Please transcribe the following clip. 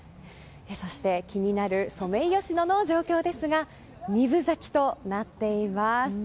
そして、気になるソメイヨシノの状況ですが二分咲きとなっています。